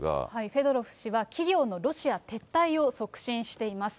フェドロフ氏は企業のロシア撤退を促進しています。